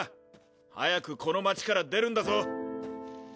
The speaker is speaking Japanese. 早くこの街から出るんだぞ。